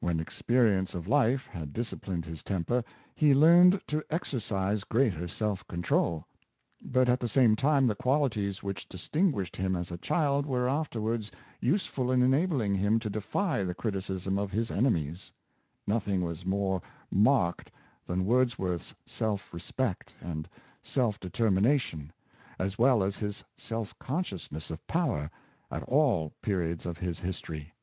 When experience of life had disciplined his temper, he learnt to exercise greater self control; but, at the same time, the qualities which distinguished him as a child were afterwards use ful in enabling him to defy the criticism of his enemies, nothing was more marked than Wordsworth's self re spect and self determination, as well as his self con sciousness of power, at all periods of his history.